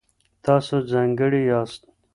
تاسو ځانګړي یاست.